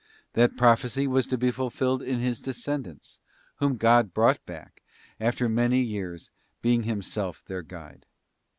That prophecy was to be fulfilled in his descendants, whom God brought back, after many years, being Himself their Guide.